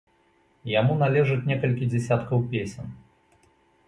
Яму належыць некалькі дзясяткаў песень.